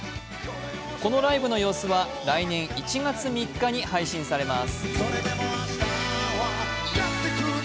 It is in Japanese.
このライブの様子は来年１月３日に配信されます。